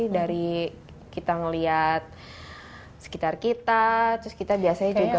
dari kita melihat sekitar kita terus kita biasanya juga